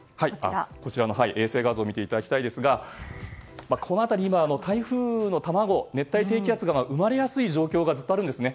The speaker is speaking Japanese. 衛星画像を見ていただきたいんですがこの辺り、台風の卵熱帯低気圧が生まれやすい状況がずっとあるんですね。